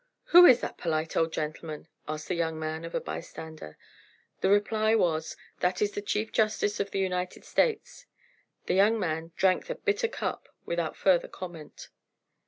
'Who is that polite old gentleman,' asked the young man of a bystander. The reply was, 'That is the Chief Justice of the United States.' The young man drank the bitter cup without further comment.